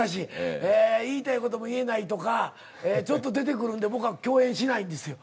言いたいことも言えないとかちょっと出てくるんで僕は共演しないんですよ。